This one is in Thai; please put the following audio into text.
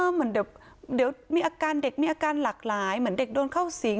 เหมือนเดี๋ยวมีอาการเด็กมีอาการหลากหลายเหมือนเด็กโดนเข้าสิง